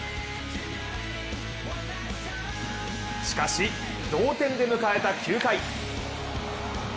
しかし、同点で迎えた９回。